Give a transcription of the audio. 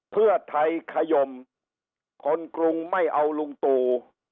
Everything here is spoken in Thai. เพื่อไทยขยมคนกรุงไม่เอาลุงตู่